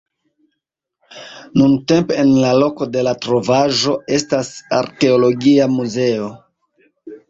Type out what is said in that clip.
Nuntempe en la loko de la trovaĵo estas arkeologia muzeo.